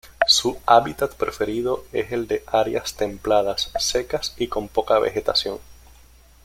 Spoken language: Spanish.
Su hábitat preferido es el de áreas templadas, secas y con poca vegetación.